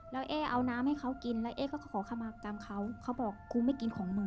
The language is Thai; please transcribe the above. แล้วเอ๊เอาน้ำให้เขากินแล้วเอ๊ก็ขอคำมากรรมเขาเขาบอกกูไม่กินของมึง